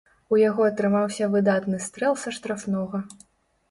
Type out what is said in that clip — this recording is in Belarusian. У яго атрымаўся выдатны стрэл са штрафнога.